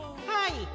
はい。